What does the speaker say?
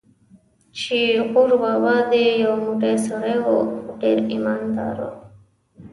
چې غور بابا دې یو موټی سړی و، خو ډېر ایمان دار و.